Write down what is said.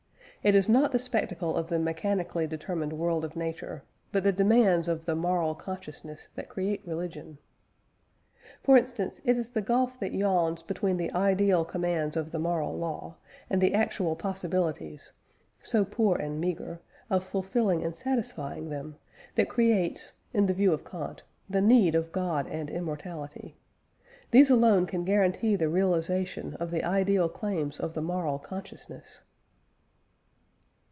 It is not the spectacle of the mechanically determined world of nature, but the demands of the moral consciousness that create religion. For instance, it is the gulf that yawns between the ideal commands of the moral law, and the actual possibilities (so poor and meagre) of fulfilling and satisfying them, that creates, in the view of Kant, the need of God and immortality. These alone can guarantee the realisation of the ideal claims of the moral consciousness.